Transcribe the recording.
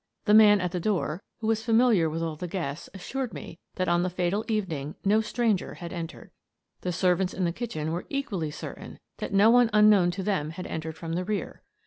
The man at the door, who was familiar with all the guests, assured me that on the fatal evening, no stranger had entered. The servants in the kitchen were equally certain that no one unknown to them had entered from the rear.